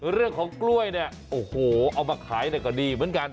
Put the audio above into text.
เรื่องของกล้วยเนี่ยโอ้โหเอามาขายเนี่ยก็ดีเหมือนกัน